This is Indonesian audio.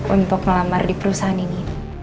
untuk melamar di perusahaan ini